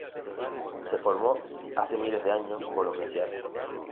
Se formó hace miles de años por los glaciares.